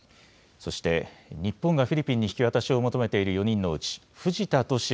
そして日本がフィリピンに引き渡しを求めている４人のうち藤田聖也